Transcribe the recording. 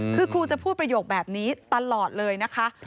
คือครูจะพูดประโยคแบบนี้ตลอดเลยนะคะ